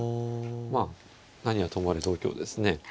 まあ何はともあれ同香ですね。